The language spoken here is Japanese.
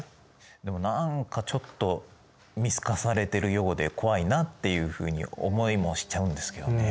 でも何かちょっと見透かされてるようで怖いなっていうふうに思いもしちゃうんですけどね。